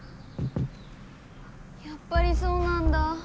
やっぱりそうなんだ。